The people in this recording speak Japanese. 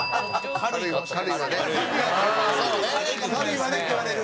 「軽いわね」って言われる。